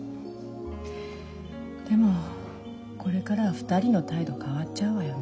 でもこれからは２人の態度変わっちゃうわよね。